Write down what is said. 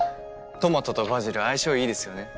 トマトとバジル相性いいですよね